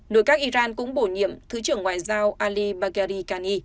nội các iran cũng bổ nhiệm thứ trưởng ngoại giao ali bagari kani